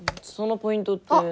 そのポイントって。